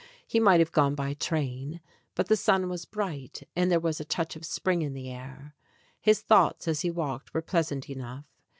He might have gone by train, but the sun was bright, and there was a touch of spring in the air. His thoughts as he walked were pleasant enough.